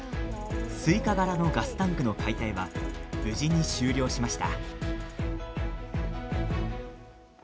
スイカ柄のガスタンクの解体は無事に終了しました。